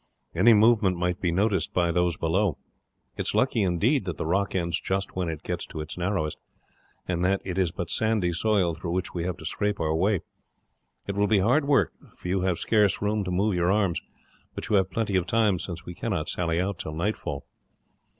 Any movement might be noticed by those below. It is lucky, indeed, that the rock ends just when it gets to its narrowest, and that it is but sandy soil through which we have to scrape our way. It will be hard work, for you have scarce room to move your arms, but you have plenty of time since we cannot sally out till nightfall."